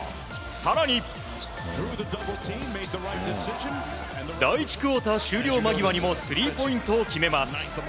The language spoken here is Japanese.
更に第１クオーター終了間際にもスリーポイントを決めます。